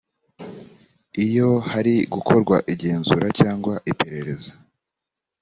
iyo hari gukorwa igenzura cyangwa iperereza